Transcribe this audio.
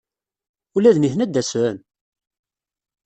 Ula d nitni ad d-asen?